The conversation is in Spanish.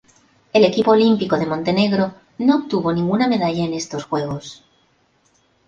El equipo olímpico de Montenegro no obtuvo ninguna medalla en estos Juegos.